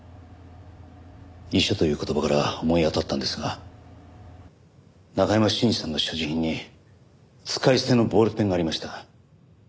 遺書という言葉から思い当たったんですが中山信二さんの所持品に使い捨てのボールペンがありました。